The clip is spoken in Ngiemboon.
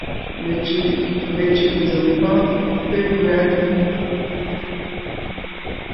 Mencʉ̀ʼ nzèm pɔ́ɔn pépʉ́a: